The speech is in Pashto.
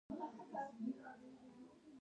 ډيپلومات د خبرو پر مهال صبر کوي.